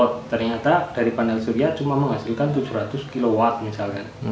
ternyata dari panel surya cuma menghasilkan tujuh ratus kw misalkan